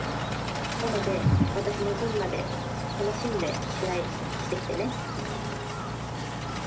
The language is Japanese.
なので私の分まで楽しんで試合してきてね。